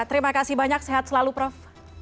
terima kasih banyak sehat selalu prof